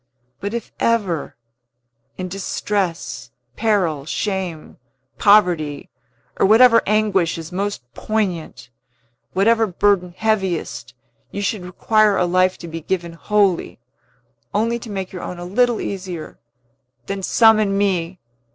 But if ever in distress, peril, shame, poverty, or whatever anguish is most poignant, whatever burden heaviest you should require a life to be given wholly, only to make your own a little easier, then summon me!